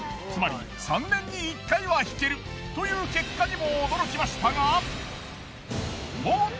つまり３年に１回は引けるという結果にも驚きましたが。